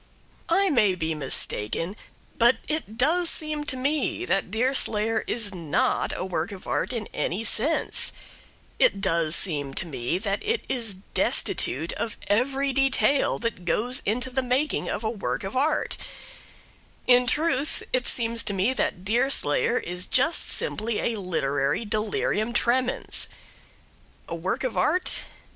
I may be mistaken, but it does seem to me that Deerslayer is not a work of art in any sense; it does seem to me that it is destitute of every detail that goes to the making of a work of art; in truth, it seems to me that Deerslayer is just simply a literary delirium tremens. A work of art?